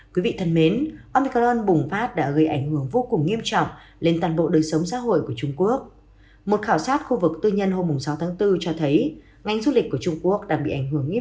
các bạn hãy đăng ký kênh để ủng hộ kênh của chúng mình nhé